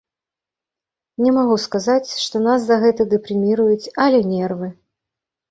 Не магу сказаць, што нас за гэта дэпрэміруюць, але нервы.